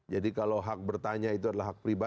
jadi kalau hak bertanya itu adalah hak pribadi